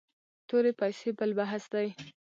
تورې پیسې بل بحث دی.